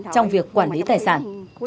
trong việc quản lý tài sản